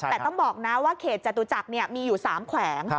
แต่ต้องบอกนะว่าเขตจตุจักรมีอยู่๓แขวง